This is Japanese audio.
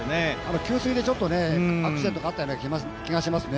給水で、アクシデントがあったような気がしますね。